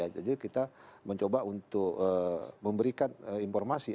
jadi kita mencoba untuk memberikan informasi